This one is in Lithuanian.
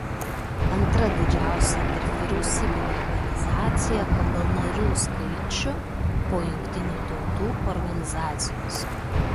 Antra didžiausia tarpvyriausybinė organizacija pagal narių skaičių po Jungtinių Tautų Organizacijos.